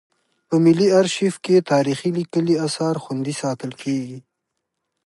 په ملي ارشیف کې تاریخي لیکلي اثار خوندي ساتل کیږي.